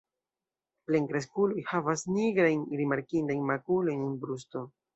Plenkreskuloj havas nigrajn rimarkindajn makulojn en brusto.